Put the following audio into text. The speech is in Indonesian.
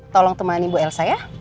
tolong teman ibu elsa ya